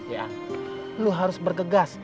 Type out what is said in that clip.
ya lo harus bergegas